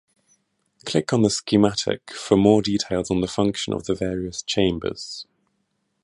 Click on the schematic for more details on the function of the various chambers.